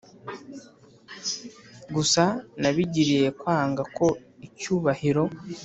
gusa nabigiriye kwanga ko icyubahiro